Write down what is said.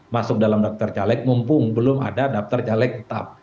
masuk dalam daftar caleg mumpung belum ada daftar caleg tetap